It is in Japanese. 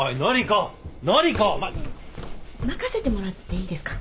任せてもらっていいですか？